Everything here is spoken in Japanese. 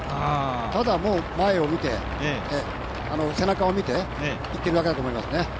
ただもう前を見て、背中を見ていっているだけだと思いますね。